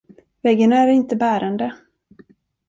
Väggen är inte bärande.